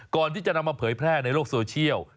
ก่อนที่จะนำมาเผยแพร่ในโลกโซเชียล